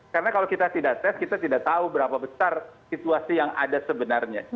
karena kalau kita tidak tes kita tidak tahu berapa besar situasi yang ada sebenarnya